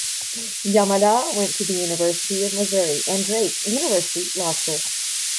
Yamada went to the University of Missouri and Drake University Law School.